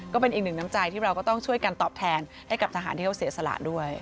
ก็เป็นอีกหนึ่งน้ำใจที่เราก็ต้องช่วยกันตอบแทนให้กับทหารที่เขาเสียสละด้วย